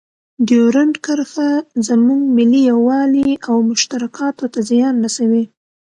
ډیورنډ کرښه زموږ ملي یووالي او مشترکاتو ته زیان رسوي.